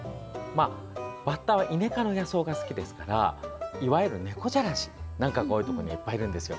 バッタはイネ科の野草が好きですからいわゆるネコジャラシなんかが多いところにいっぱいいるんですよ。